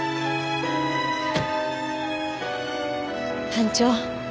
班長。